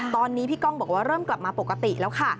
ตอนนี้พี่ก้องบอกว่าเริ่มกลับมาปกติแล้วค่ะ